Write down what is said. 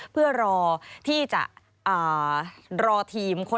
สวัสดีค่ะสวัสดีค่ะ